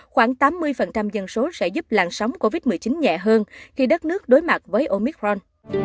khoảng tám mươi dân số sẽ giúp làn sóng covid một mươi chín nhẹ hơn khi đất nước đối mặt với omicron